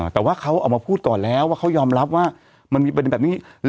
แต่ว่าเขาออกมาพูดก่อนแล้วว่าเขายอมรับว่ามันมีประเด็นแบบนี้